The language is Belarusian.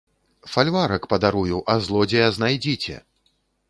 Фальварак падарую, а злодзея знайдзіце!